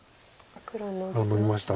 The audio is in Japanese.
ノビました。